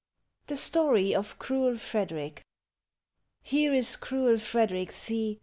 THE STORY OF CRUEL FREDERICK. Here is cruel Frederick, see!